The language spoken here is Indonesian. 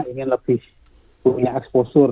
ingin lebih punya eksposur